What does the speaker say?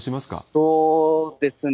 そうですね。